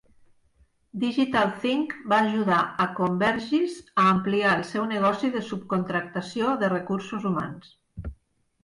DigitalThink va ajudar a Convergys a ampliar el seu negoci de subcontractació de recursos humans.